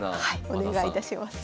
お願いいたします。